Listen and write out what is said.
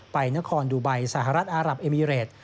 ไปนครดูไบสหรัฐอารับเอมิเรต